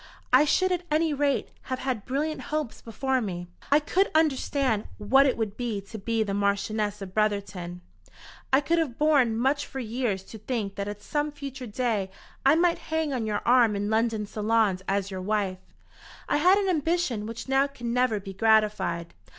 I should at any rate have had brilliant hopes before me. I could understand what it would be to be the Marchioness of Brotherton. I could have borne much for years to think that at some future day I might hang on your arm in London salons as your wife. I had an ambition which now can never be gratified.